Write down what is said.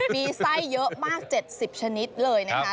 ปีไส้เยอะมากเจ็ดสิบชนิดเลยนะคะครับ